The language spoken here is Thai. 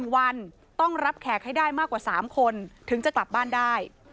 ๑วันต้องรับแขกให้ได้มากกว่า๓คนถึงจะกลับบ้านได้